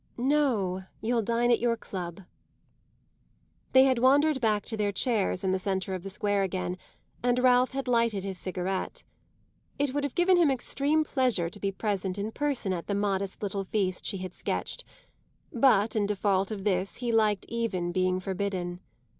"No, you'll dine at your club." They had wandered back to their chairs in the centre of the square again, and Ralph had lighted his cigarette. It would have given him extreme pleasure to be present in person at the modest little feast she had sketched; but in default of this he liked even being forbidden.